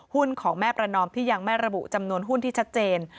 ของแม่ประนอมที่ยังไม่ระบุจำนวนหุ้นที่ชัดเจน